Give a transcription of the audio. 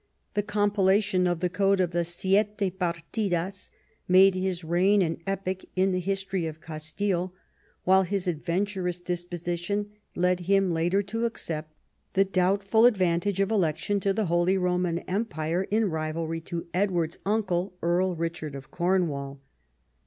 The compilation of the code of the Siete Partidas made his reign an epoch in the history of Castile, while his adventurous disposition led him later to accept the doubtful advantage of election to the Holy Roman Empire in rivalry to Edward's uncle. Earl Richard of Cornwall.